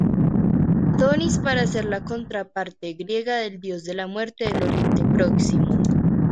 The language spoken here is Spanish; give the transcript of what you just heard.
Adonis para ser la contraparte Griega del dios de la muerte del Oriente Próximo.